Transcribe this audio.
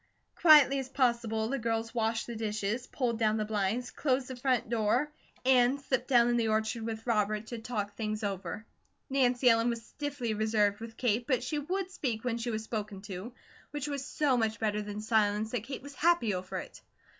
Quietly as possible the girls washed the dishes, pulled down the blinds, closed the front door, and slipped down in the orchard with Robert to talk things over. Nancy Ellen was stiffly reserved with Kate, but she WOULD speak when she was spoken to, which was so much better than silence that Kate was happy over it.